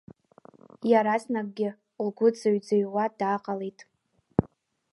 Иаразнакгьы лгәы ӡыҩӡыҩуа дааҟалеит.